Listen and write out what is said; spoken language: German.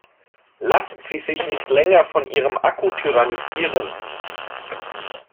Lassen Sie sich nicht länger von ihrem Akku tyrannisieren!